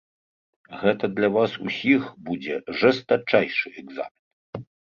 Гэта для вас усіх будзе жэстачайшы экзамен.